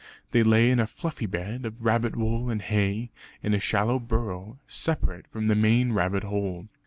They lay in a fluffy bed of rabbit wool and hay, in a shallow burrow, separate from the main rabbit hole.